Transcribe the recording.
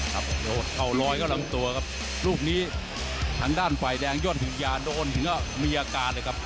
ครับโอ้โหเข้ารอยก็ล้ำตัวครับลูกนี้ทางด้านฝ่ายแดงยอดถึงยาโดนถึงว่ามีอาการเลยครับ